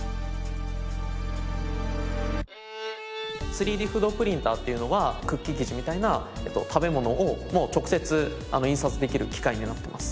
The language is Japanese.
３Ｄフードプリンターっていうのはクッキー生地みたいな食べ物を直接印刷できる機械になってます。